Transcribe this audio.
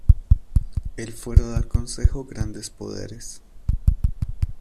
El Fuero da al Concejo grandes poderes.